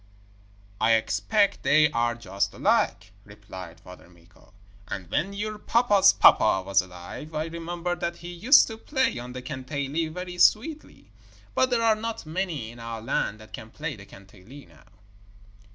'I expect they are just alike,' replied Father Mikko; 'and when your pappa's pappa was alive, I remember that he used to play on the kantele very sweetly, but there are not many in our land that can play the kantele now.'